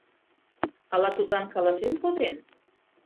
Ала тудлан каласен коден?